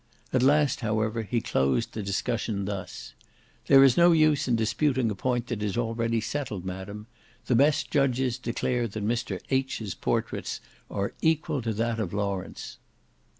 At last, however, he closed the discussion thus,—"There is no use in disputing a point that is already settled, madam; the best judges declare that Mr. H—g's portraits are equal to that of Lawrence."